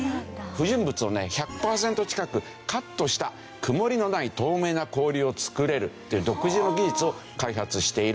不純物を１００パーセント近くカットした曇りのない透明な氷を作れるっていう独自の技術を開発しているというわけで。